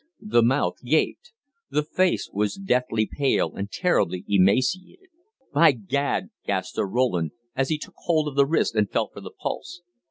The mouth gaped. The face was deathly pale and terribly emaciated. "By Gad!" gasped Sir Roland, as he took hold of the wrist and felt for the pulse.